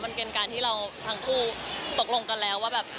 มันเป็นการที่เราทั้งคู่ตกลงกันแล้วว่าแบบ